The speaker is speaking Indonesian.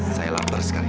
saya lapar sekali